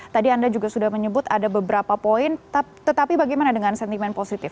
tadi anda juga sudah menyebut ada beberapa poin tetapi bagaimana dengan sentimen positif